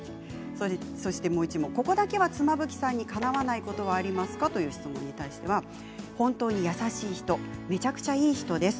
ここだけは妻夫木さんにかなわないことはありますか？という質問には「本当に優しい人めちゃくちゃいい人です。